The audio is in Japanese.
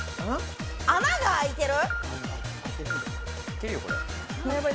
穴が開いてる。